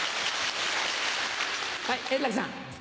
はい円楽さん。